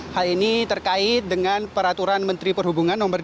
hal ini terkait dengan peraturan yang diperlukan di jawa barat